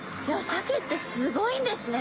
サケってすごいんですね。